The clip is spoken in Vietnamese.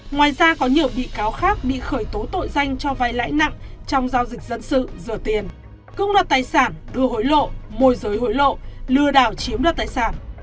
ngoài ra có nhiều bị cáo khác bị khởi tố tội danh cho vai lãi nặng trong giao dịch dân sự rửa tiền cưỡng đoạt tài sản đưa hối lộ môi giới hối lộ lừa đảo chiếm đoạt tài sản